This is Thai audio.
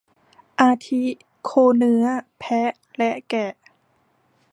อาทิ โคเนื้อ แพะ และแกะ